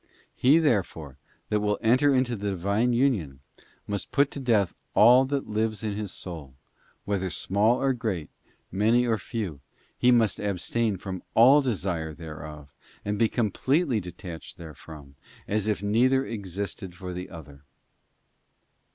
* He, therefore, that will enter into the Divine union must put to death all that lives in his soul, whether small or great, many or few; he must abstain from all desire thereof, and be com pletely detached therefrom, as if neither existed for the other.